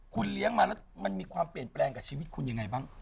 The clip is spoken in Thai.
คุณเลี้ยงมาแล้วมันมีความเปลี่ยนแปลงกับชีวิตคุณยังไงบ้าง